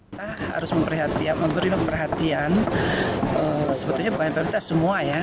kita harus memberi perhatian sebetulnya buah buah kita semua ya